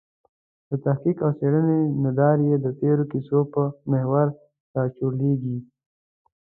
د تحقیق او څېړنې مدار یې د تېرو کیسو پر محور راچورلېږي.